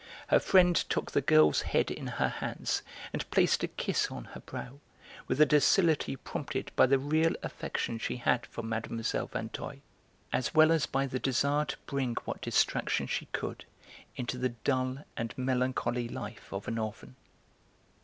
Her friend took the girl's head in her hands and placed a kiss on her brow with a docility prompted by the real affection she had for Mlle. Vinteuil, as well as by the desire to bring what distraction she could into the dull and melancholy life of an orphan.